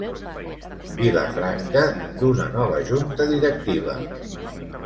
Vilafranca d'una nova junta directiva.